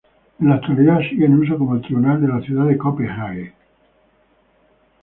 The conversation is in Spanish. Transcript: En la actualidad sigue en uso como el tribunal de la ciudad de Copenhague.